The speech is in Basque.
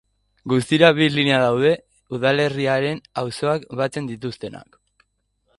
Guztira bi linea daude udalerriaren auzoak batzen dituztenak.